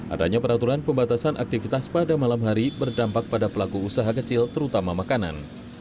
adanya peraturan pembatasan aktivitas pada malam hari berdampak pada pelaku usaha kecil terutama makanan